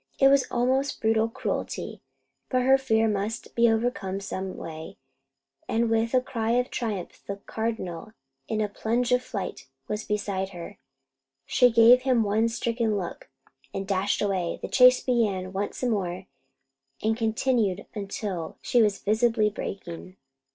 It was almost brutal cruelty, but her fear must be overcome someway; and with a cry of triumph the Cardinal, in a plunge of flight, was beside her. She gave him one stricken look, and dashed away. The chase began once more and continued until she was visibly breaking.